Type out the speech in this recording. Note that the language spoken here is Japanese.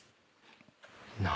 何？